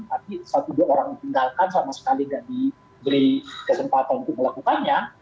tapi satu dua orang ditinggalkan sama sekali tidak diberi kesempatan untuk melakukannya